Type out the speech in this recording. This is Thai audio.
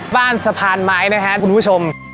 บ้านสะพานไม้นะฮะคุณผู้ชม